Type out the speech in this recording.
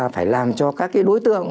phải làm cho các cái đối tượng